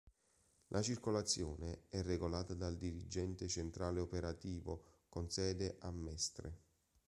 La circolazione è regolata dal Dirigente Centrale Operativo con sede a Mestre.